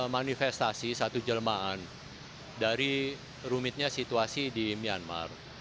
manifestasi satu jelmaan dari rumitnya situasi di myanmar